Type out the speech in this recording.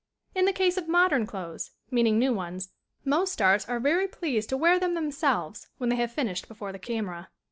In the case of modern clothes meaning new ones most stars are very pleased to wear them themselves when they have finished be fore the camera.